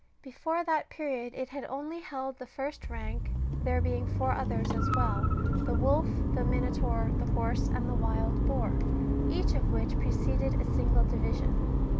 Before that period it had only held the first rank, there being four others as well, the wolf, the minotaur, the horse, and the wild boar, each of which preceded a single division.